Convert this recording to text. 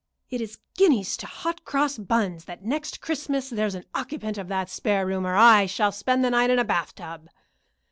"It is guineas to hot cross buns that next Christmas there's an occupant of the spare room, or I spend the night in a bathtub."